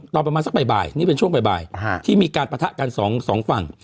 ตอนประมาณสักบ่ายนี่เป็นช่วงบ่ายที่มีการปะทะกันสองฝั่ง